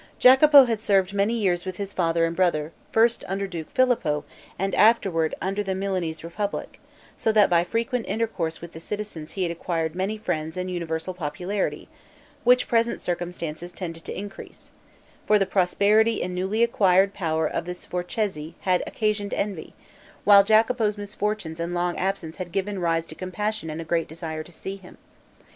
Jacopo had served many years with his father and brother, first under Duke Filippo, and afterward under the Milanese republic, so that by frequent intercourse with the citizens he had acquired many friends and universal popularity, which present circumstances tended to increase; for the prosperity and newly acquired power of the Sforzeschi had occasioned envy, while Jacopo's misfortunes and long absence had given rise to compassion and a great desire to see him.